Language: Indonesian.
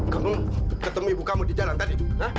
kamu ketemu ibu kamu di jalan tadi